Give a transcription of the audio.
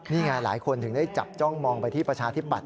นี่ไงหลายคนถึงได้จับจ้องมองไปที่ประชาธิบัตย